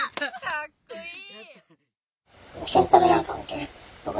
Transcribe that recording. かっこいい！